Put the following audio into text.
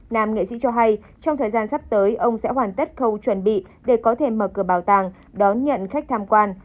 nam nghệ sĩ cho hay trong thời gian sắp tới ông sẽ hoàn tất khâu chuẩn bị để có thể mở cửa bảo tàng đón nhận khách tham quan